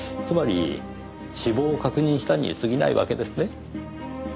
つまり死亡を確認したに過ぎないわけですね？